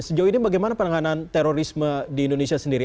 sejauh ini bagaimana penanganan terorisme di indonesia sendiri